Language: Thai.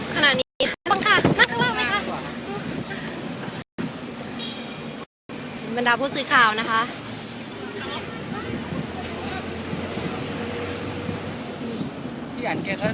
ขนาดนี้นั่งข้างล่างมั้ยคะ